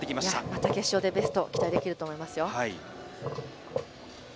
また決勝でベスト、期待できると思います。